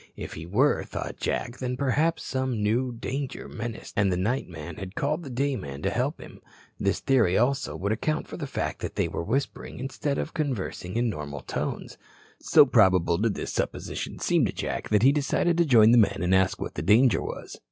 If he were, thought Jack, then, perhaps, some new danger menaced and the night man had called the day man to help him. This theory also would account for the fact that they were whispering, instead of conversing in normal tones. So probable did this supposition seem to Jack that he decided to join the men and ask what the danger was.